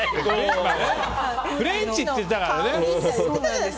フレンチって言ってたからね。